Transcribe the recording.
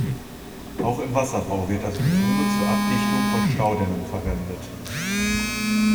Auch im Wasserbau wird das Bitumen zur Abdichtung von Staudämmen verwendet.